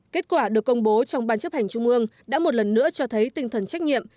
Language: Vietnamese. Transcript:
kết quả được công bố trong ban chấp hành trung ương đã một lần nữa cho thấy tinh thần trách nhiệm